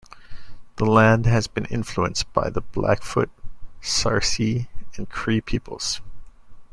The land has been influenced by the Blackfoot, Sarcee and Cree peoples.